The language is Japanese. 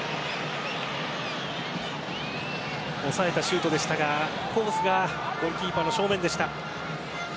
抑えたシュートでしたがコースがゴールキーパーの正面でした。